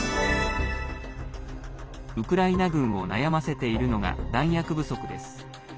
ウクライナ軍を悩ませているのが弾薬不足です。